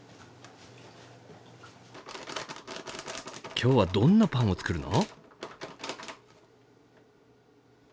今日はどんなパンを作るの？